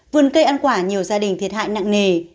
vườn cây ăn quả nhiều gia đình thiệt hại nặng nề